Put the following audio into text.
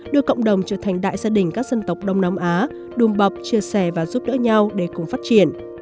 đưa cộng đồng trở thành đại gia đình các dân tộc đông nam á đùm bọc chia sẻ và giúp đỡ nhau để cùng phát triển